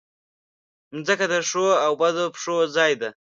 مځکه د ښو او بدو پېښو ځای ده.